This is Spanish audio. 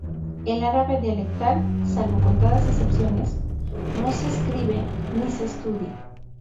El árabe dialectal, salvo contadas excepciones, no se escribe ni se estudia.